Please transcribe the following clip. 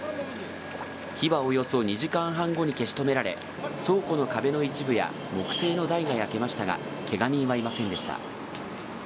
火はおよそ２時間半後に消し止められ、倉庫の壁の一部や木製の台が焼けましたが、けが人はいませんでした。